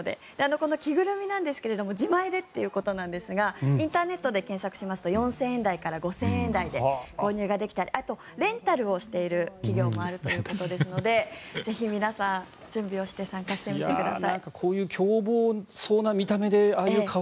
この着ぐるみなんですが自前でということですがインターネットで検索しますと４０００円台から５０００円台で購入できたりあと、レンタルをしている企業もあるということですので是非皆さん準備して参加してみてください。